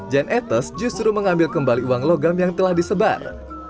jan etes justru mengambil kembali uang logam yang telah disebar